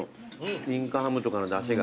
金華ハムとかのだしが。